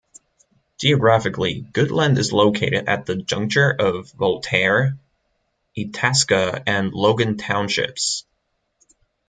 Geographically, Goodland is located at the juncture of Voltaire, Itasca, and Logan Townships.